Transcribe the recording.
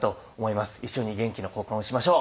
一緒に元気の交換をしましょう。